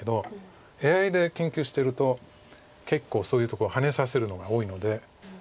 ＡＩで研究してると結構そういうとこハネさせるのが多いので。